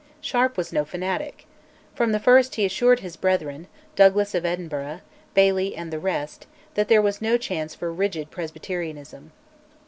Sharp was no fanatic. From the first he assured his brethren, Douglas of Edinburgh, Baillie, and the rest, that there was no chance for "rigid Presbyterianism."